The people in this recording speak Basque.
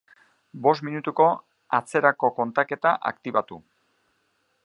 Bost minutuko atzerako kontaketa aktibatu